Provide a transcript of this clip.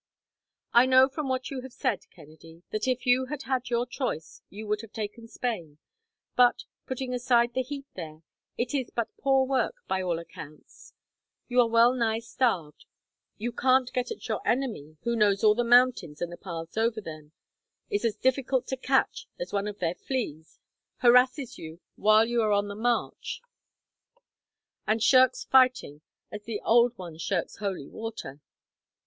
"I know from what you have said, Kennedy, that if you had had your choice you would have taken Spain, but, putting aside the heat there, it is but poor work, by all accounts. You are well nigh starved, you can't get at your enemy, who knows all the mountains and the paths over them, is as difficult to catch as one of their fleas, harasses you while you are on the march, and shirks fighting as the old one shirks holy water.